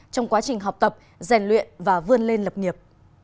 trong quá trình học tập rèn luyện và vươn lên lập nghiệp